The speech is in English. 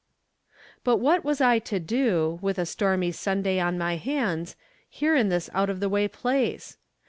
But what was I to do, with a stormy Sunday on my hands, here in this out of the way place